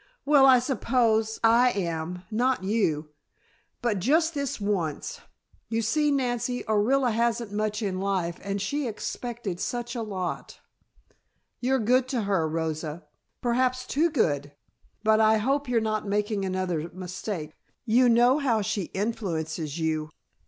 "Well, I suppose I am; not you. But just this once. You see, Nancy, Orilla hasn't much in life and she expected such a lot." "You're good to her, Rosa, perhaps too good. But I hope you're not making another mistake; you know how she influences you."